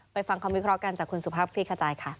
ฟังคำวิเคราะห์กันจากคุณสุภาพคลี่ขจายค่ะ